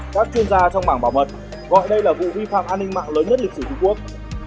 các chuyên gia trong mảng bảo mật gọi đây là vụ vi phạm an ninh mạng lớn nhất lịch sử trung quốc